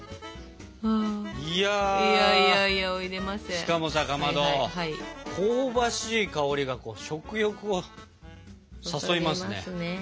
しかもさかまど香ばしい香りが食欲を誘いますね。